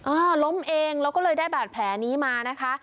อ่าล้มเองแล้วก็เลยได้บาดแผลนี้มานะคะ